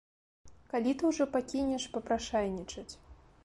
Калі ты ўжо пакінеш папрашайнічаць?